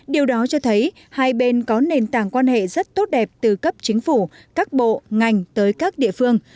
điều đó cho thấy hai bên có nền tảng quan hệ rất tốt đẹp từ cấp chính phủ các bộ ngành tới các địa phương